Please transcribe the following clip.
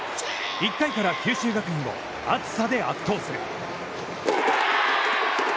１回から九州学院を熱さで圧倒する。